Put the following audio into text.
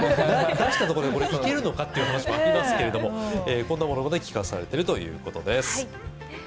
出したところでいけるのかという話もありますけどこんなものも企画されているということです。